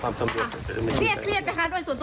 คุณปอล์คุณปอล์เครียดไหมคะกับข่าวที่ออกไปทั้งหมดนะคะคุณปอล์